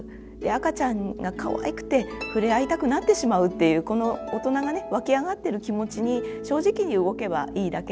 赤ちゃんがかわいくて触れ合いたくなってしまうっていうこの大人がね湧き上がってる気持ちに正直に動けばいいだけだと思います。